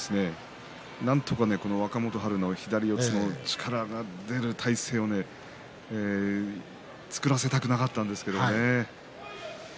なんとか若元春の左ですね、力の出る体勢を作らせたくなかったんですね。